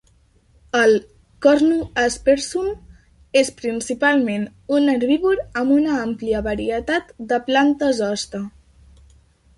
El "Cornu aspersum" és principalment un herbívor amb una àmplia varietat de plantes hoste.